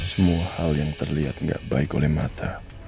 semua hal yang terlihat tidak baik oleh mata